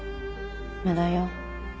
無駄よ。